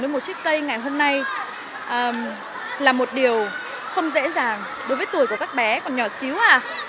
với một chiếc cây ngày hôm nay là một điều không dễ dàng đối với tuổi của các bé còn nhỏ xíu à